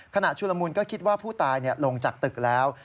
ชุลมุนก็คิดว่าผู้ตายลงจากตึกแล้ว